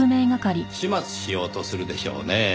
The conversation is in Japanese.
始末しようとするでしょうねぇ。